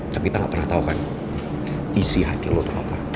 tapi kita gak pernah tau kan isi hati lo tuh apa